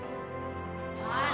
はい。